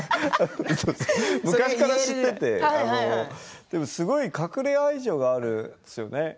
昔から知っていて隠れ愛情があるんですよね。